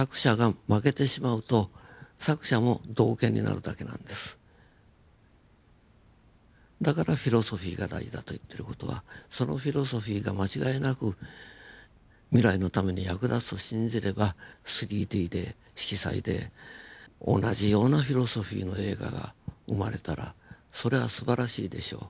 ただだからフィロソフィーが大事だと言ってる事はそのフィロソフィーが間違いなく未来のために役立つと信じれば３Ｄで色彩で同じようなフィロソフィーの映画が生まれたらそれはすばらしいでしょう。